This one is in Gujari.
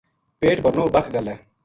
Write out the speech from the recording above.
پیٹ بھرنو بَکھ گل ہے۔